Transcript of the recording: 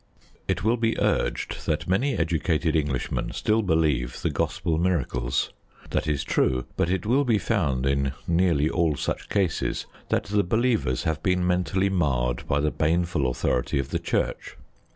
It will be urged that many educated Englishmen still believe the Gospel miracles. That is true; but it will be found in nearly all such cases that the believers have been mentally marred by the baneful authority of the Church.